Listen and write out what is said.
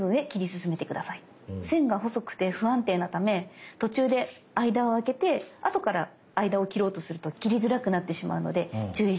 線が細くて不安定なため途中で間をあけて後から間を切ろうとすると切りづらくなってしまうので注意して下さい。